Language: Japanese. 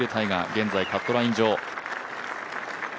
現在、カットライン上。